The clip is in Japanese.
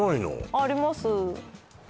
あります